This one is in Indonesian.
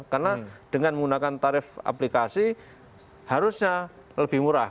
karena dengan menggunakan tarif aplikasi harusnya lebih murah